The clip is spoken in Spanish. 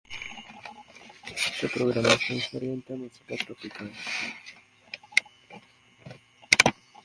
Su programación se orienta a la música tropical.